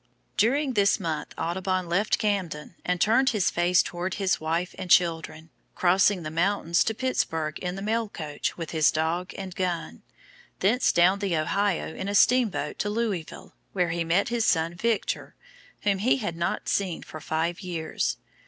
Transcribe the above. During this month Audubon left Camden and turned his face toward his wife and children, crossing the mountains to Pittsburg in the mail coach with his dog and gun, thence down the Ohio in a steamboat to Louisville, where he met his son Victor, whom he had not seen for five years.